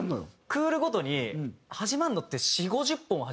クールごとに始まるのって４０５０本は始まりますね。